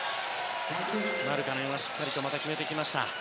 マルカネンはしっかりと決めてきました。